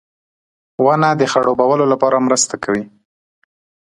• ونه د خړوبولو لپاره مرسته کوي.